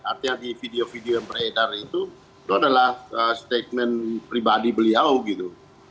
artinya di video video yang beredar itu itu adalah statement pribadi beliau gitu